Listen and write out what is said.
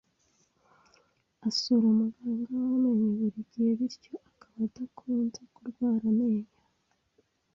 Asura muganga w’amenyo buri gihe, bityo akaba adakunze kurwara amenyo.